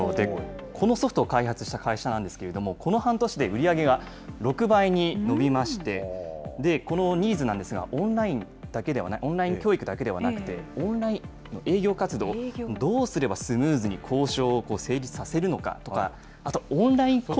このソフトを開発した会社なんですけども、この半年で売り上げが、６倍に伸びまして、このニーズなんですが、オンライン教育だけではなくて、オンラインの営業活動、どうすればスムーズに交渉を成立させるのかとか、気になるよね。